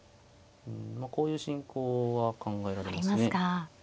こういう進行は考えられますね。